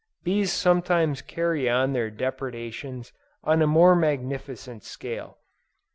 Bees sometimes carry on their depredations on a more magnificent scale.